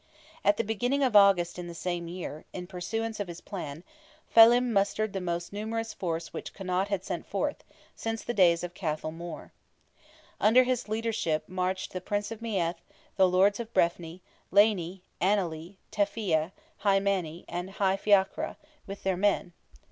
At the beginning of August in the same year, in pursuance of his plan, Felim mustered the most numerous force which Connaught had sent forth, since the days of Cathal More. Under his leadership marched the Prince of Meath, the lords of Breffni, Leyny, Annally, Teffia, Hy Many, and Hy Fiachra, with their men.